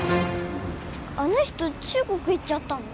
あの人中国行っちゃったの？